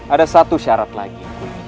ada satu syarat lagi